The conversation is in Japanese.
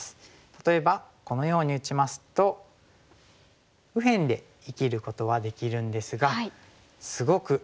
例えばこのように打ちますと右辺で生きることはできるんですがすごく黒の強大な厚みができましたね。